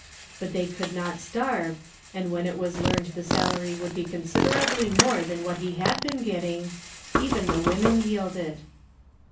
But they could not starve, and when it was learned the salary would be considerably more than what he had been getting even the women yielded.